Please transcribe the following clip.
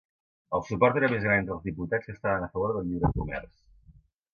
El suport era més gran entre els diputats que estaven a favor del lliure comerç.